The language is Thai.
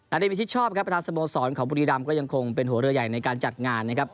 ดีมีชิดชอบครับประธานสโมสรของบุรีรำก็ยังคงเป็นหัวเรือใหญ่ในการจัดงานนะครับ